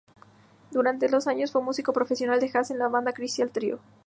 Durante dos años fue músico profesional de jazz en la banda "Crystal Trio".